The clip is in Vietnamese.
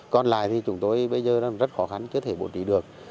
còn lại thì chúng tôi bây giờ rất khó khăn chưa thể bố trí được